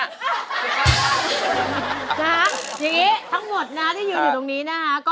อย่างนี้ทั้งหมดที่อยู่อยู่ตรงนี้นะครับ